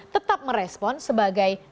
tetap merespon sebagai negara